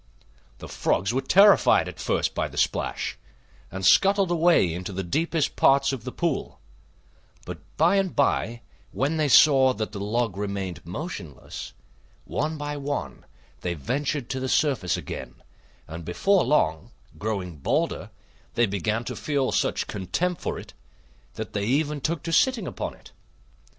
The Frogs were terrified at first by the splash, and scuttled away into the deepest parts of the pool; but by and by, when they saw that the log remained motionless, one by one they ventured to the surface again, and before long, growing bolder, they began to feel such contempt for it that they even took to sitting upon it.